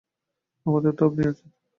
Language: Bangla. আমাদের তো আপনি আছেন।